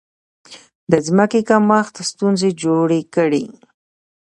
د ځمکې کمښت ستونزې جوړې کړې.